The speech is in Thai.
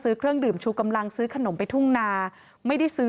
เครื่องดื่มชูกำลังซื้อขนมไปทุ่งนาไม่ได้ซื้อ